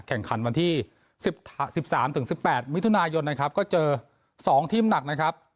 แข่งขันวันที่๑๓๑๘มิถุนายนนะครับก็เจอ๒ทีมหนักนะครับ